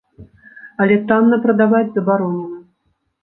Але танна прадаваць забаронена.